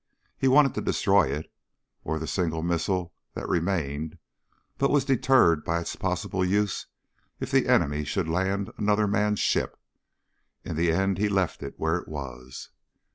He wanted to destroy it or the single missile that remained but was deterred by its possible use if the enemy should land another manned ship. In the end he left it where it was.